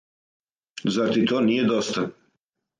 Зар ти то није доста?